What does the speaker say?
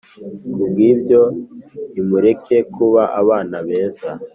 Ku bw ibyo nimureke kuba abana beza